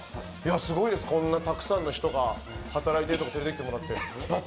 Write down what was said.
すごいです、こんなたくさんの人が働いている職場に連れてきてもらって。